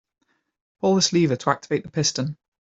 Pull this lever to activate the piston.